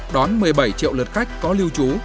đón một mươi bảy triệu lượt khách có lưu trú